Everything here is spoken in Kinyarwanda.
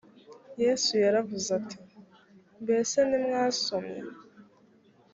yesu yaravuze ati ‘’ mbese ntimwasomye ?